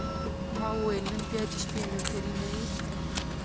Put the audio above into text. ما وویل: نن به بیا د شپې نوکري نه یې؟